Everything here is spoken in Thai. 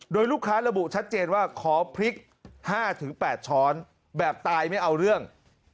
โดยลูกค้าระบุชัดเจนว่าขอพริก๕๘ช้อนแบบตายไม่เอาเรื่อง